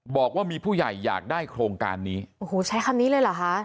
บอกว่ามีผู้ใหญ่อยากได้โครงการนี้โอ้โหใช้คำนี้เลยเหรอคะ